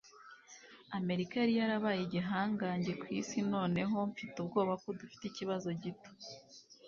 Amerika yari yarabaye igihangange ku isi. Noneho mfite ubwoba ko dufite ikibazo gito.